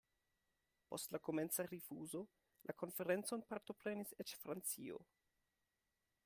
Post la komenca rifuzo, la konferencon partoprenis eĉ Francio.